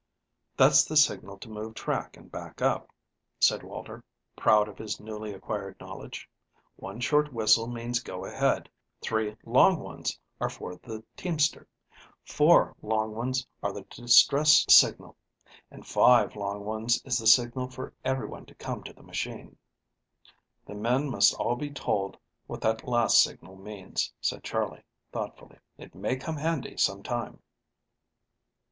"That's the signal to move track and back up," said Walter, proud of his newly acquired knowledge. "One short whistle means go ahead, three long ones are for the teamster; four long ones are the distress signal, and five long ones is the signal for everyone to come to the machine." "The men must all be told what that last signal means," said Charley thoughtfully. "It may come handy some time."